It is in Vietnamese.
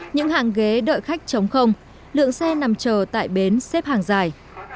những hàng ghế đợi khách chống không lượng xe nằm chờ tại bến xếp hàng dài